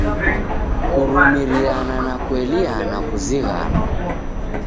Kurumiriana na kueliana kuzighano.